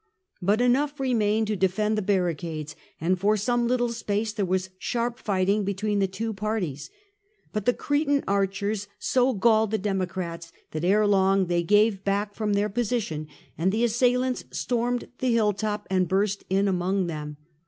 But enough remained to defend the barricades, and for some little space there was sharp fighting between the two parties. But the Cretan archers so galled the Democrats that ere long they gave back from their position, and the assailants stormed the hill top and burst in among them.